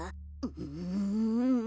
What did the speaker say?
うん。